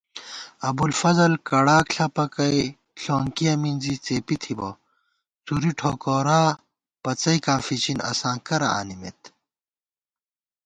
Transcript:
ابُوالفضل کڑاک ݪپَکَئ ݪونکِیَہ مِنزی څېپی تھِبہ * څُری ٹھوکورا پڅَئیکاں فِچِن اساں کرہ آنِمېت